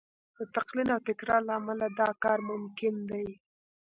د تلقین او تکرار له امله دا کار ممکن دی